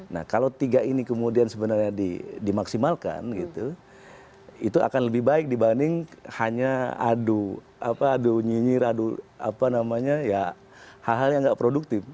nah kalau tiga ini kemudian sebenarnya dimaksimalkan gitu itu akan lebih baik dibanding hanya adu nyinyir adu apa namanya ya hal hal yang nggak produktif